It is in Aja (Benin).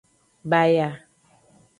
Baya.